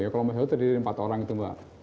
kelompok satu terdiri dari empat orang itu mbak